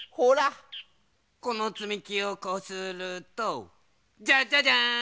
このつみきをこうするとジャッジャジャーン！